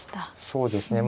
そうですね。